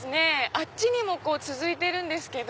あっちにも続いてるんですけど。